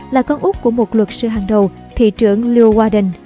là con út của một luật sư hàng đầu thị trưởng leeuwarden